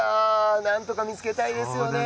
なんとか見つけたいですよね。